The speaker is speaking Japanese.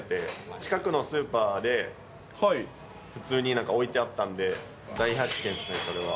近くのスーパーで、普通に置いてあったんで、大発見ですね、それは。